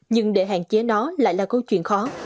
nhưng để hạn chế nó lại là câu chuyện khó